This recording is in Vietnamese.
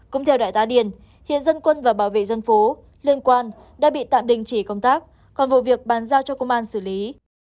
cũng theo đại tá điền hiện dân quân và bảo vệ dân phố liên quan đã bị tạm đình chỉ công tác còn vụ việc bàn giao cho công an xử lý